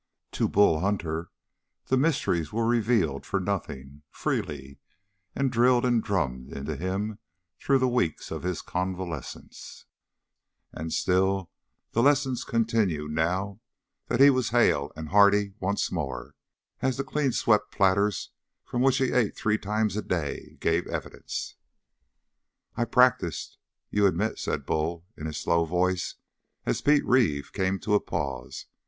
To Bull Hunter the mysteries were revealed for nothing, freely, and drilled and drummed into him through the weeks of his convalescence; and still the lessons continued now that he was hale and hearty once more as the clean swept platters from which he ate three times a day gave evidence. "I've practiced, you admit," said Bull in his slow voice, as Pete Reeve came to a pause.